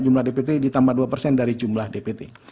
jumlah dpt ditambah dua persen dari jumlah dpt